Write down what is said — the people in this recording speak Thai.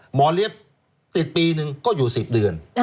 หมอเรียบติด๑ปีก็อยู่๑๐เดือน